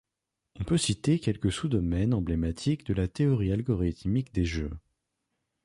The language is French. On peut citer quelques sous-domaines emblématiques de la théorie algorithmique des jeux.